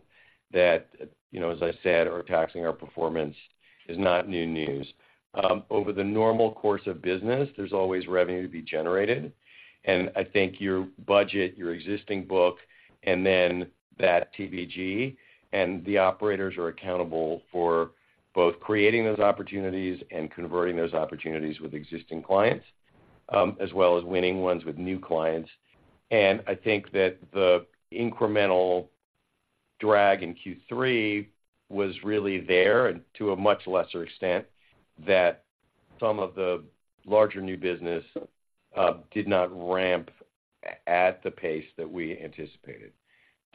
that, you know, as I said, are taxing our performance, is not new news. Over the normal course of business, there's always revenue to be generated, and I think your budget, your existing book, and then that TBG and the operators are accountable for both creating those opportunities and converting those opportunities with existing clients, as well as winning ones with new clients. I think that the incremental drag in Q3 was really there, and to a much lesser extent, that some of the larger new business did not ramp at the pace that we anticipated.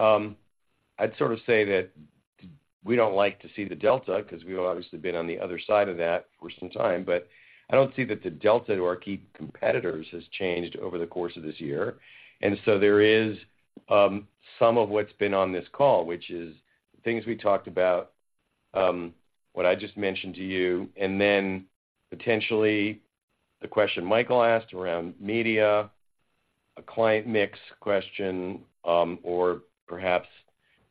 I'd sort of say that we don't like to see the delta, 'cause we've obviously been on the other side of that for some time, but I don't see that the delta to our key competitors has changed over the course of this year. There is some of what's been on this call, which is things we talked about, what I just mentioned to you, and then potentially the question Michael asked around media, a client mix question, or perhaps,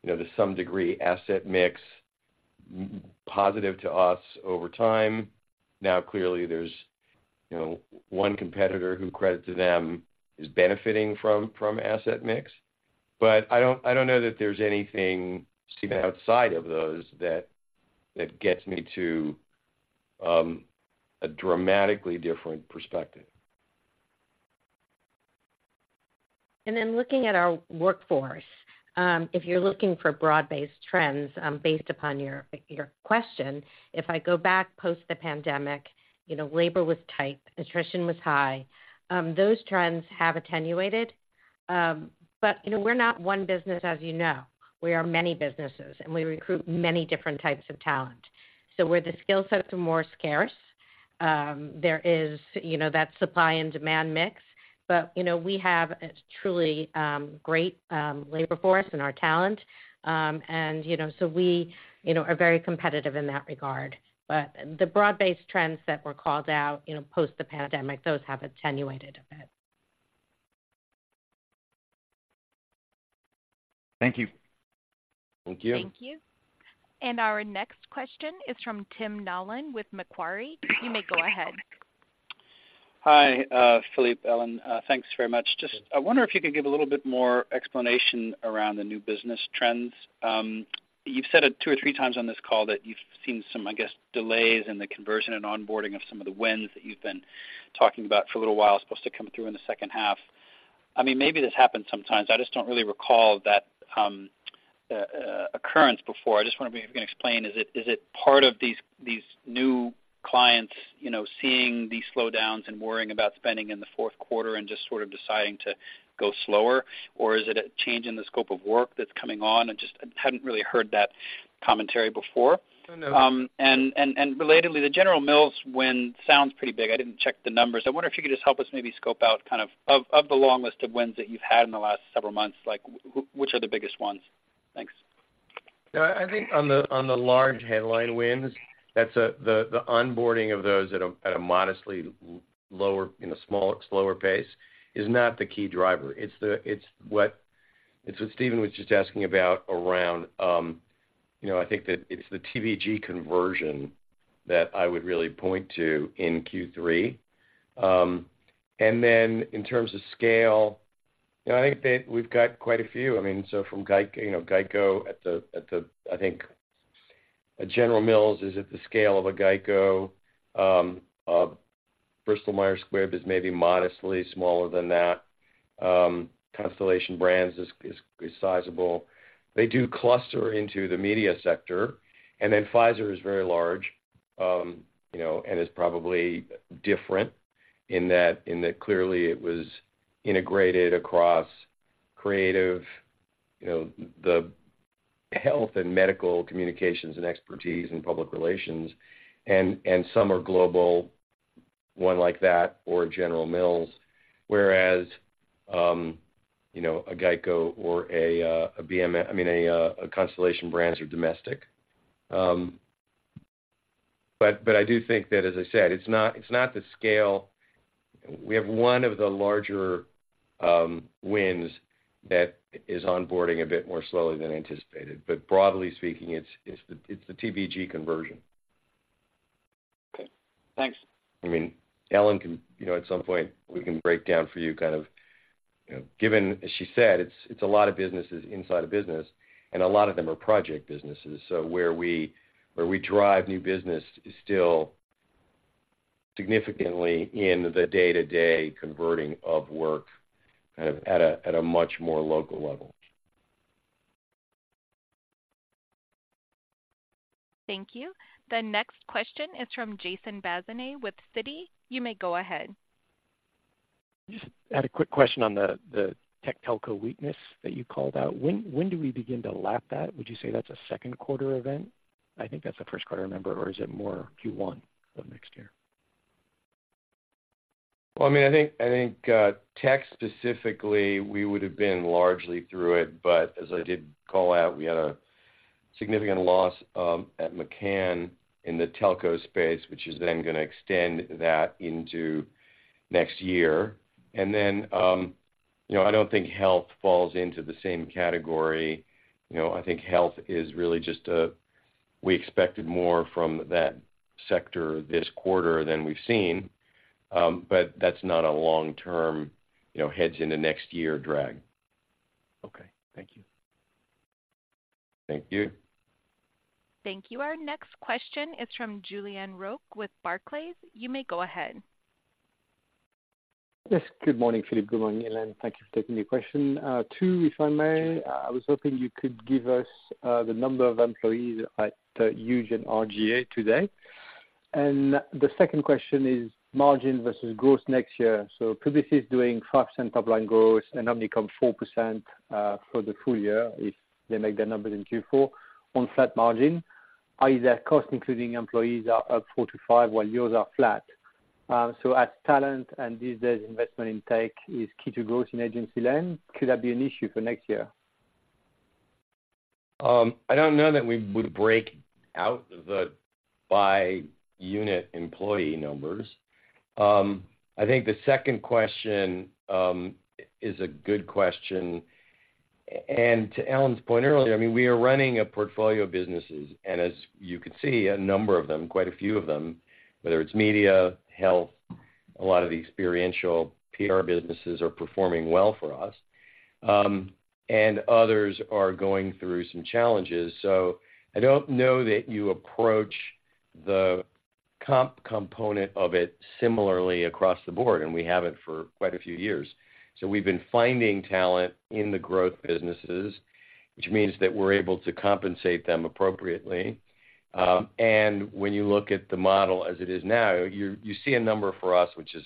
you know, to some degree, asset mix positive to us over time. Now, clearly, there's, you know, one competitor who, credit to them, is benefiting from asset mix. I don't know that there's anything seen outside of those that gets me to a dramatically different perspective. Looking at our workforce, if you're looking for broad-based trends based upon your question, if I go back post the pandemic, you know, labor was tight, attrition was high. Those trends have attenuated, but you know, we're not one business, as you know. We are many businesses, and we recruit many different types of talent. Where the skill sets are more scarce, there is, you know, that supply and demand mix, but, you know, we have a truly great labor force in our talent. You know, so we, you know, are very competitive in that regard. The broad-based trends that were called out, you know, post the pandemic, those have attenuated a bit. Thank you. Thank you. Thank you. Our next question is from Tim Nollen with Macquarie. You may go ahead. Hi, Philippe, Ellen. Thanks very much. Just I wonder if you could give a little bit more explanation around the new business trends. You've said it two or three times on this call that you've seen some, I guess, delays in the conversion and onboarding of some of the wins that you've been talking about for a little while, supposed to come through in the second half. I mean, maybe this happens sometimes. I just don't really recall that occurrence before. I just want to maybe explain, is it part of these new clients, you know, seeing these slowdowns and worrying about spending in the fourth quarter and just sort of deciding to go slower? Is it a change in the scope of work that's coming on and just hadn't really heard that commentary before? Relatedly, the General Mills win sounds pretty big. I didn't check the numbers. I wonder if you could just help us maybe scope out kind of the long list of wins that you've had in the last several months, like which are the biggest ones? Thanks. Yeah, I think on the large headline wins, the onboarding of those at a modestly lower in a smaller, slower pace is not the key driver. It's what Steven was just asking about around, you know, I think that it's the TBG conversion that I would really point to in Q3. In terms of scale, I think that we've got quite a few. I mean, you know, from GEICO at the, I think, a General Mills is at the scale of a GEICO. Bristol-Myers Squibb is maybe modestly smaller than that. Constellation Brands is sizable. They do cluster into the media sector, and then Pfizer is very large, you know, and is probably different in that, in that clearly it was integrated across creative, you know, the health and medical communications and expertise and public relations, and some are global, one like that or General Mills. Whereas, you know, a GEICO or a Constellation Brands are domestic. I do think that, as I said, it's not the scale. We have one of the larger wins that is onboarding a bit more slowly than anticipated, but broadly speaking, it's the TBG conversion. Okay, thanks. You know, at some point, we can break down for you kind of, you know, given, as she said, it's a lot of businesses inside a business, and a lot of them are project businesses. Where we drive new business is still significantly in the day-to-day converting of work at a much more local level. Thank you. The next question is from Jason Bazinet with Citi. You may go ahead. Just had a quick question on the tech telco weakness that you called out. When do we begin to lap that? Would you say that's a second quarter event? I think that's a first quarter, I remember, or is it more Q1 of next year? Well, I mean, I think tech specifically, we would have been largely through it, but as I did call out, we had a significant loss at McCann in the telco space, which is then going to extend that into next year. You know, I don't think health falls into the same category. You know, I think health, we expected more from that sector this quarter than we've seen, but that's not a long-term, you know, hedge into next year drag. Okay, thank you. Thank you. Thank you. Our next question is from Julien Roch with Barclays. You may go ahead. Yes, good morning, Philippe, good morning, Ellen. Thank you for taking the question. Two, if I may. I was hoping you could give us the number of employees at Huge and R/GA today. The second question is margin versus gross next year. Publicis is doing 5% top-line growth and Omnicom 4% for the full year if they make their numbers in Q4 on flat margin. Either cost, including employees, are up 4-5, while yours are flat. As talent and these days, investment in tech is key to growth in agency land, could that be an issue for next year? I don't know that we would break out the by-unit employee numbers. I think the second question is a good question. To Ellen's point earlier, I mean, we are running a portfolio of businesses, and as you can see, a number of them, quite a few of them, whether it's media, health, a lot of the experiential PR businesses are performing well for us, and others are going through some challenges. I don't know that you approach the comp component of it similarly across the board, and we haven't for quite a few years. We've been finding talent in the growth businesses, which means that we're able to compensate them appropriately. When you look at the model as it is now, you see a number for us, which is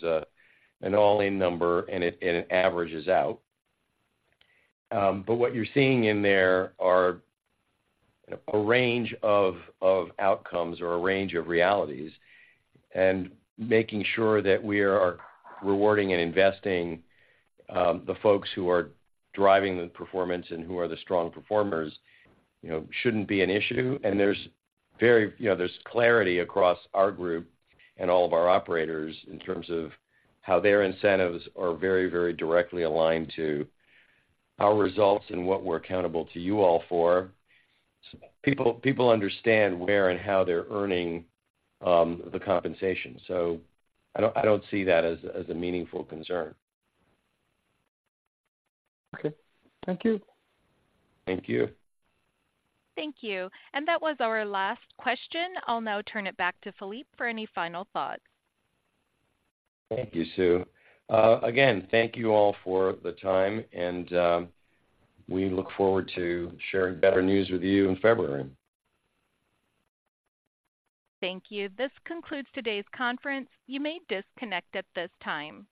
an all-in number, and it averages out. What you're seeing in there are a range of outcomes or a range of realities, and making sure that we are rewarding and investing the folks who are driving the performance and who are the strong performers, you know, shouldn't be an issue. There's very, you know, there's clarity across our group and all of our operators in terms of how their incentives are very, very directly aligned to our results and what we're accountable to you all for. People understand where and how they're earning the compensation, so I don't see that as a meaningful concern. Okay. Thank you. Thank you. Thank you. That was our last question. I'll now turn it back to Philippe for any final thoughts. Thank you, Sue. Again, thank you all for the time, and we look forward to sharing better news with you in February. Thank you. This concludes today's conference. You may disconnect at this time.